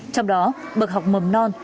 trong đó bậc học mầm non